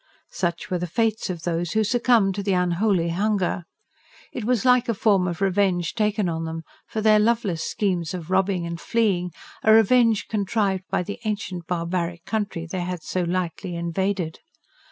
Such were the fates of those who succumbed to the "unholy hunger." It was like a form of revenge taken on them, for their loveless schemes of robbing and fleeing; a revenge contrived by the ancient, barbaric country they had so lightly invaded.